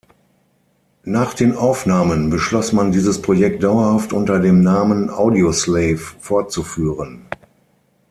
Nach den Aufnahmen beschloss man dieses Projekt dauerhaft unter dem Namen Audioslave fortzuführen.